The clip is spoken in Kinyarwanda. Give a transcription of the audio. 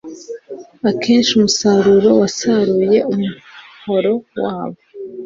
Akenshi umusaruro wasaruye umuhoro wabo,